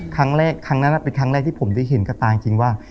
ครั้งนั้นเป็นครั้งแรกที่ผมได้เห็นกระตาจริงว่า